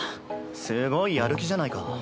すごいやる気じゃないか。